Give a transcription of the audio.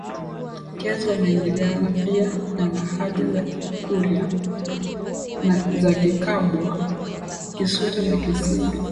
kiasi wanaingiliana pia na lahaja za Kikurya za Kikabhwa Kisweta na Kisimbiti